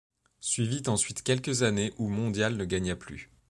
Suivit ensuite quelques années où Mondial ne gagna plus.